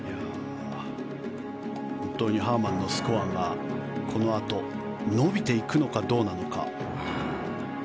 本当にハーマンのスコアがこのあと伸びていくのかどうなのか。